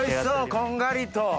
こんがりと。